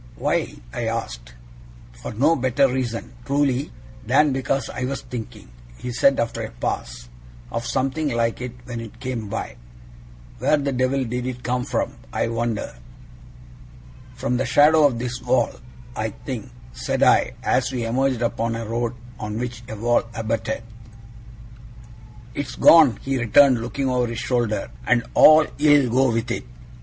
'Why?' I asked. 'For no better reason, truly, than because I was thinking,' he said, after a pause, 'of something like it, when it came by. Where the Devil did it come from, I wonder!' 'From the shadow of this wall, I think,' said I, as we emerged upon a road on which a wall abutted. 'It's gone!' he returned, looking over his shoulder. 'And all ill go with it.